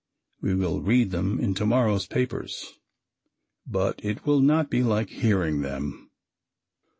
We will read them in to morrow's papers, but it will not be like hearing them.